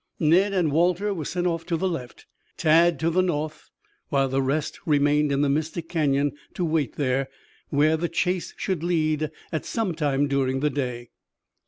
Ned and Walter were sent off to the left, Tad to the north, while the rest remained in the Mystic Canyon to wait there, where the chase should lead at some time during the day.